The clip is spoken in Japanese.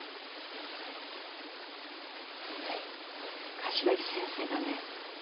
柏木先生がね